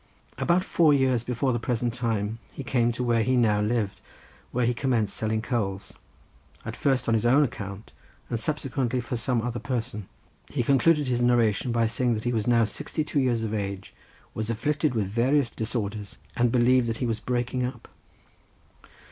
About four years before the present time he came to where he now lived, where he commenced selling coals, at first on his own account, and subsequently for some other person. He concluded his narration by saying that he was now sixty two years of age, was afflicted with various disorders, and believed that he was breaking up.